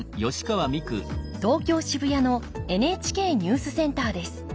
東京・渋谷のＮＨＫニュースセンターです。